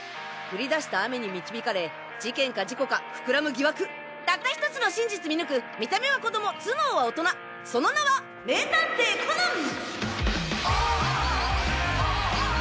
降り出した雨に導かれ事件か事故か膨らむ疑惑たった１つの真実見抜く見た目は子供頭脳は大人その名は名探偵コナン！